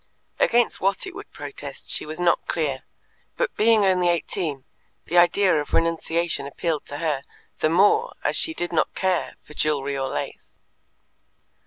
Against what it would protest she was not clear; but being only eighteen, the idea of renunciation appealed to her, the more as she did not care for jewellery or lace.